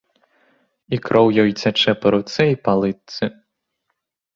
І кроў ёй цячэ па руцэ і па лытцы.